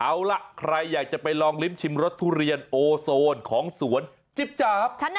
เอาล่ะใครอยากจะไปลองลิ้มชิมรสทุเรียนโอโซนของสวนจิ๊บจ๊าบ